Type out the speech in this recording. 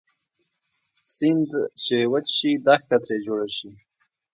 سیند چې وچ شي دښته تري جوړه شي